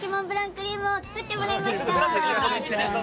クリームを作ってもらいました。